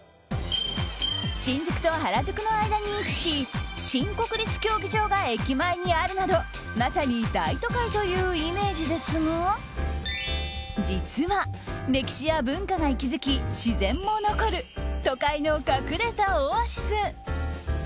新宿と原宿の間に位置し新国立競技場が駅前にあるなどまさに大都会というイメージですが実は歴史や文化が息づき自然も残る都会の隠れたオアシス。